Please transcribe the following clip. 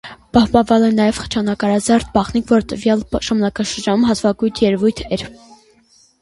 Պահպանվել է նաև խճանկարազարդ բաղնիք, որը տվյալ ժամանակաշրջանում հազվագյուտ երևույթ էր։